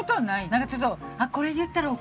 なんかちょっと。